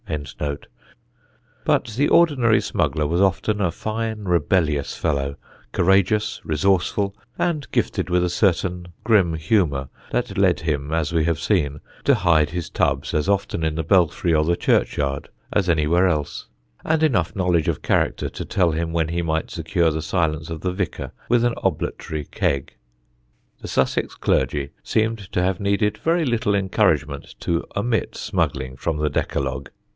but the ordinary smuggler was often a fine rebellious fellow, courageous, resourceful, and gifted with a certain grim humour that led him, as we have seen, to hide his tubs as often in the belfry or the churchyard as anywhere else, and enough knowledge of character to tell him when he might secure the silence of the vicar with an oblatory keg. The Sussex clergy seemed to have needed very little encouragement to omit smuggling from the decalogue.